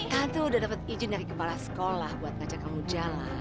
aku udah dapat izin dari kepala sekolah buat ngajak kamu jalan